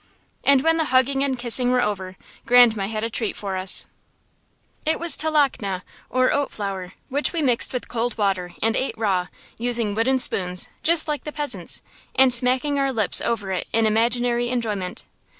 And when the hugging and kissing were over, Grandma had a treat for us. It was talakno, or oat flour, which we mixed with cold water and ate raw, using wooden spoons, just like the peasants, and smacking our lips over it in imaginary enjoyment.